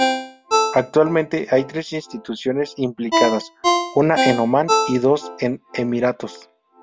Actualmente hay tres instituciones implicadas, una en Omán y dos en los Emiratos.